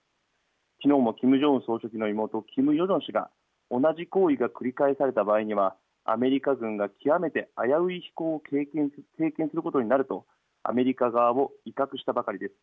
きのうもキム・ジョンウン総書記の妹、キム・ヨジョン氏が同じ行為が繰り返された場合にはアメリカ軍が極めて危うい飛行を経験することになるとアメリカ側を威嚇したばかりです。